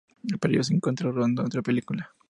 Pero ella se encontraba rodando otra película.